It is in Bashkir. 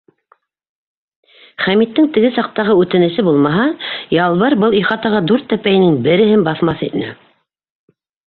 Хәмиттең теге саҡтағы үтенесе булмаһа, Ялбыр был ихатаға дүрт тәпәйенең береһен баҫмаҫ ине.